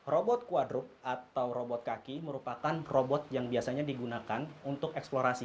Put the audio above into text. robot kuadrop atau robot kaki merupakan robot yang biasanya digunakan untuk eksplorasi